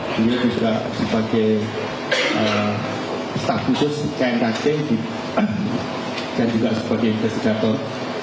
beliau juga sebagai staff khusus knkt dan juga sebagai investigator